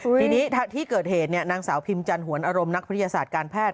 ทีนี้ที่เกิดเหตุเนี่ยนางสาวพิมจันทหวนอารมณ์นักวิทยาศาสตร์การแพทย์